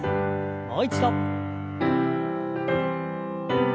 もう一度。